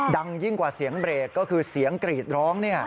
ยิ่งกว่าเสียงเบรกก็คือเสียงกรีดร้อง